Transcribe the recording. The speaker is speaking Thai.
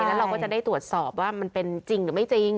แล้วเราก็จะได้ตรวจสอบว่ามันเป็นจริงหรือไม่จริง